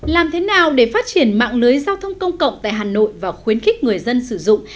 làm thế nào để phát triển mạng lưới giao thông công cộng tại hà nội và khuyến khích người dân sử dụng